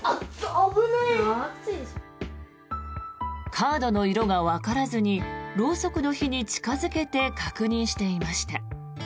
カードの色がわからずにろうそくの火に近付けて確認していました。